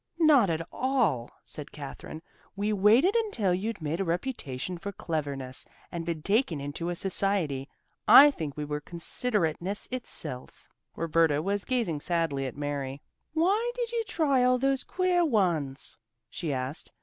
"Not at all," said Katherine. "We waited until you'd made a reputation for cleverness and been taken into a society. I think we were considerateness itself." Roberta was gazing sadly at Mary. "Why did you try all those queer ones?" she asked.